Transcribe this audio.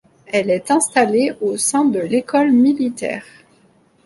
Elle est installée au sein de l'École militaire.